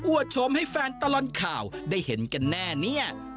วดชมให้แฟนตลอดข่าวได้เห็นกันแน่เนี่ย